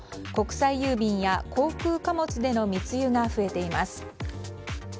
国際郵便や航空貨物での密輸が増えています。